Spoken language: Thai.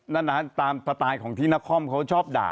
นานตามสไตล์ของที่นครเขาชอบด่า